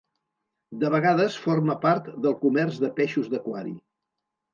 De vegades forma part del comerç de peixos d'aquari.